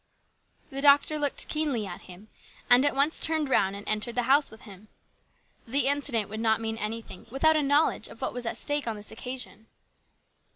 The doctor looked keenly at him, and at once turned round and entered the house with him. The incident would not mean anything without a know ledge of what was at stake on this occasion.